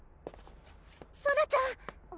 ソラちゃん！